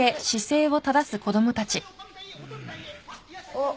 あっ。